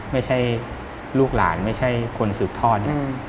ไม่ใช่ลูกหลานไม่ใช่คนสืบทอด